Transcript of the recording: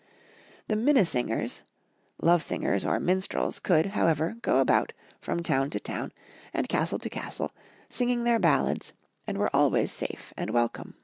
The minne singers, love singers, or minstrels could, however, go about from town to town and castle to castle singing their baUads, and were always safe and welconfe.